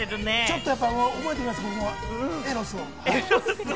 ちょっと覚えていきます、今後はエロスを。